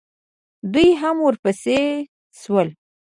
دوئ هم ورپسې شول.